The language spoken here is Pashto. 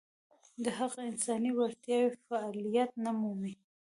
د هغه انساني وړتیاوې فعلیت نه مومي.